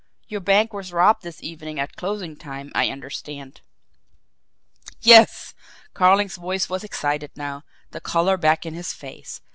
Your bank was robbed this evening at closing time, I understand?" "Yes!" Carling's voice was excited now, the colour back in his face.